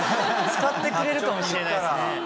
使ってくれるかもしれないですね。